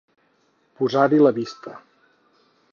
Posar-hi la vista.